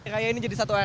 raya ini jadi satu arah